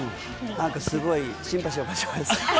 すごくシンパシーを感じます。